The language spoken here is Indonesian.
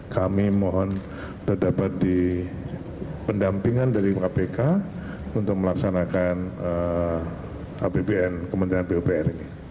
kami mohon terdapat pendampingan dari kpk untuk melaksanakan apbn kementerian pupr ini